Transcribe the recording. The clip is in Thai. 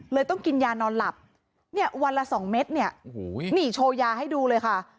เลยต้องกินยานอนหลับวันละสองเม็ดนี่หนีโชว์ยาให้ดูเลยค่ะ